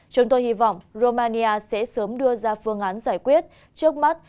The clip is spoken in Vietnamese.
chúng tôi hy vọng romania sẽ sớm đưa ra phương án giải quyết trước mắt